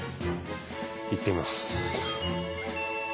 行ってみます。